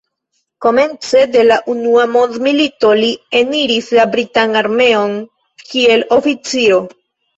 Komence de la unua mondmilito li eniris la britan armeon kiel oficiro.